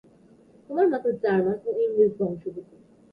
তার মাতা জার্মান ও ইংরেজ বংশোদ্ভূত।